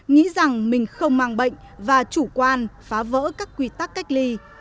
nghĩ rằng mình không mang bệnh và chủ quan phá vỡ các quy tắc cách ly